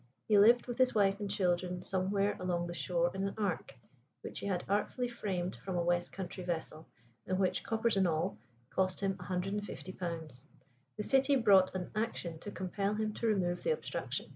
He lived, with his wife and children, somewhere along the shore in an ark, which he had artfully framed from a West country vessel, and which, coppers and all, cost him £150. The City brought an action to compel him to remove the obstruction.